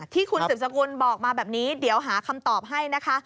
ที่คุณสืบสกุลบอกมาแบบนี้เดี๋ยวหาคำตอบให้นะคะ